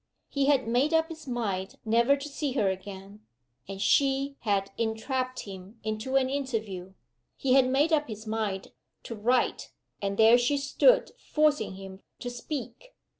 He had made up his mind never to see her again, and she had entrapped him into an interview. He had made up his mind to write, and there she stood forcing him to speak.